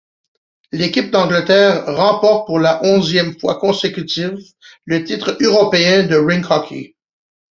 L'équipe d'Angleterre remporte pour la onzième fois consécutive le titre européen de rink hockey.